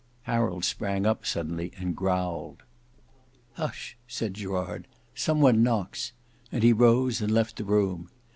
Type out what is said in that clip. Harold sprang up suddenly and growled. "Hush!" said Gerard; "some one knocks:" and he rose and left the room.